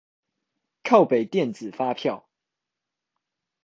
靠北電子發票